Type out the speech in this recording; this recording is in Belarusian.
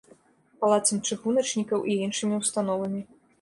Палацам чыгуначнікаў і іншымі ўстановамі.